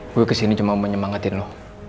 gue kesini cuma mau nyemangatin lo